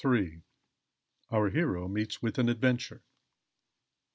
OUR HERO MEETS WITH AN ADVENTURE.